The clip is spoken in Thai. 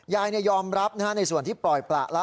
ยอมรับในส่วนที่ปล่อยประละ